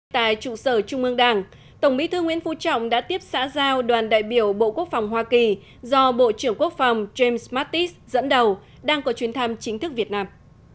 tại trụ sở trung ương đảng tổng bí thư nguyễn phú trọng đã tiếp xã giao đoàn đại biểu bộ quốc phòng hoa kỳ do bộ trưởng quốc phòng james mattis dẫn đầu đang có chuyến thăm chính thức việt nam